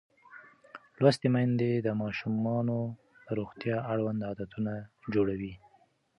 لوستې میندې د ماشومانو د روغتیا اړوند عادتونه جوړوي.